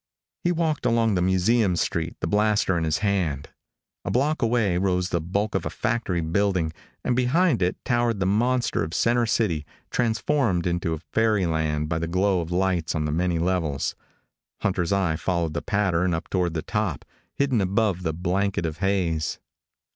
He walked along the museum street, the blaster in his hand. A block away rose the bulk of a factory building and behind it towered the monster of center city, transformed into a fairyland by the glow of lights on the many levels. Hunter's eye followed the pattern up toward the top, hidden above the blanket of haze.